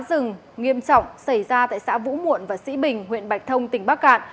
rừng nghiêm trọng xảy ra tại xã vũ muộn và sĩ bình huyện bạch thông tỉnh bắc cạn